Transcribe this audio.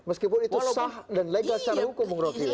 meskipun itu sah dan legal secara hukum bung roky